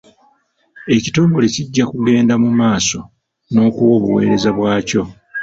Ekitongole kijja kugenda mu maaso n'okuwa obuweereza bwakyo.